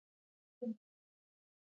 افغانستان د بزګان په اړه علمي څېړنې لري.